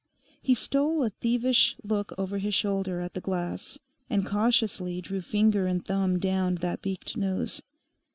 He stole a thievish look over his shoulder at the glass, and cautiously drew finger and thumb down that beaked nose.